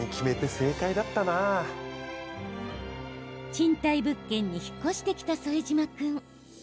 賃貸物件に引っ越してきた副島君。